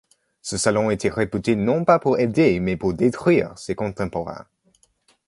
Ce salon était réputé non pas pour aider mais pour détruire ses contemporains.